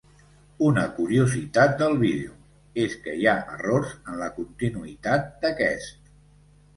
Una curiositat del vídeo, és que hi ha errors en la continuïtat d'aquest.